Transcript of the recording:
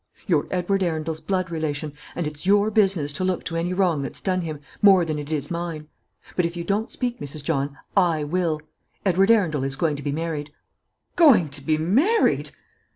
You're Edward Arundel's blood relation, and it's your business to look to any wrong that's done him, more than it is mine. But if you don't speak, Mrs. John, I will. Edward Arundel is going to be married." "Going to be married!"